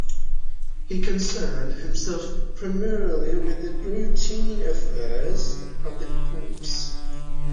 He concerned himself primarily with the routine affairs of the Corps.